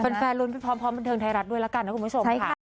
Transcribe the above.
แฟนรุ้นพร้อมบันเทิงไทยรัฐด้วยแล้วกันนะคุณผู้ชมค่ะ